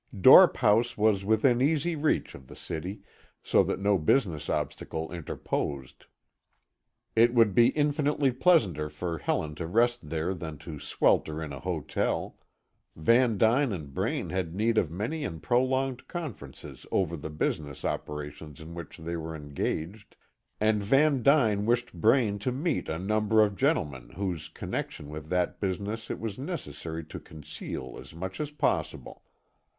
Dorp House was within easy reach of the city, so that no business obstacle interposed. It would be infinitely pleasanter for Helen to rest there than to swelter in a hotel; Van Duyn and Braine had need of many and prolonged conferences over the business operations in which they were engaged, and Van Duyn wished Braine to meet a number of gentlemen whose connection with that business it was necessary to conceal as much as possible.